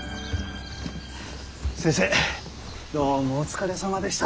先生どうもお疲れさまでした。